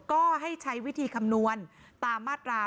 ก็ให้ใช้วิธีคำนวณตามมาตรา๑